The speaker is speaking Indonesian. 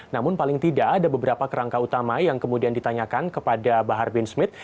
namun paling tidak ada beberapa kerangka utama yang kemudian ditanyakan kepada bahar bin smith